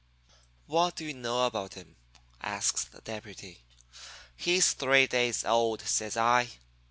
"'What do you know about him?' asks the deputy. "'He's three days old,' says I.